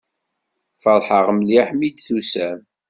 Feṛḥeɣ mliḥ mi d-tusam.